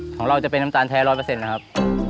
ของเราจะเป็นน้ำตาลแท้ภายในภาพ